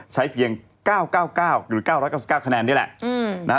ใช้เพียง๙๙๙หรือ๙๙๙คะแนนนี่แหละ